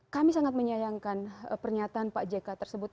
kami sangat menyayangkan pernyataan pak jk tersebut